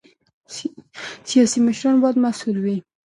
سیاسي مشران باید مسؤل وي